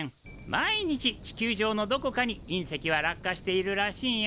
毎日地球上のどこかに隕石は落下しているらしいよ。